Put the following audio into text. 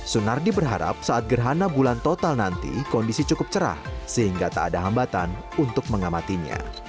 sunardi berharap saat gerhana bulan total nanti kondisi cukup cerah sehingga tak ada hambatan untuk mengamatinya